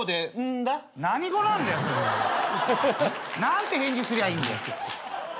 何て返事すりゃいいんだよ！